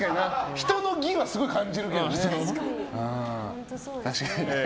人の技はすごい感じるけどね。